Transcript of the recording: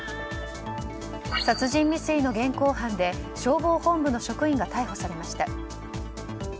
殺人未遂の現行犯で消防本部の職員が逮捕されました。